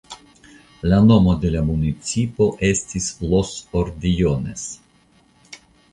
La nomo de la municipo estis "Los Ordejones".